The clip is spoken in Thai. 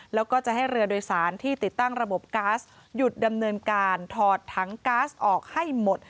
แล้วก็จะให้เรือโดยสารที่ติดตั้งระบบก๊าซหยุดดำเนินการถอดถังก๊าซออกให้หมด